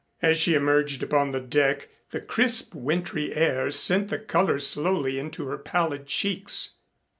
As she emerged upon deck the crisp wintry air sent the color slowly into her pallid cheeks.